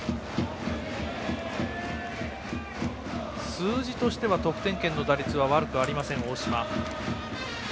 数字としては得点圏の打率は悪くありません、大島。